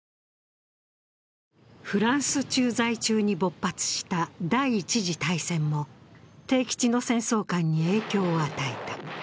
フランス駐在中に勃発した第一次大戦も悌吉の戦争観に影響を与えた。